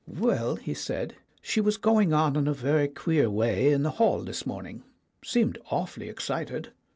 "Well," he said, "she was going on in a very queer way in the hall this morning. Seemed awfully ex cited."